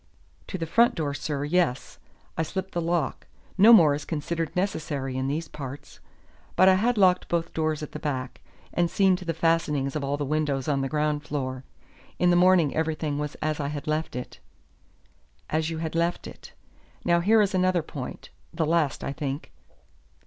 "To the front door, sir, yes; I slipped the lock. No more is considered necessary in these parts. But I had locked both the doors at the back, and seen to the fastenings of all the windows on the ground floor. In the morning everything was as I had left it." "As you had left it. Now here is another point the last, I think.